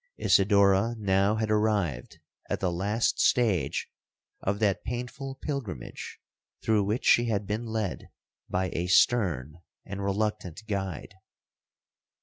'Isidora now had arrived at the last stage of that painful pilgrimage through which she had been led by a stern and reluctant guide.